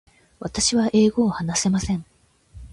私は英語を話せません。